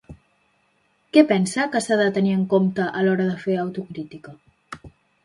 Què pensa que s'ha de tenir en compte a l'hora de fer autocrítica?